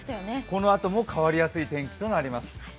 このあとも変わりやすい天気となります。